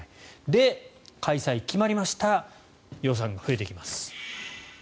で、開催が決まりました予算が増えてきます。